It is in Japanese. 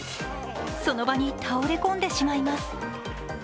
その場に倒れ込んでしまいます。